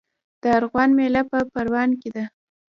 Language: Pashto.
د ارغوان میله په پروان کې ده.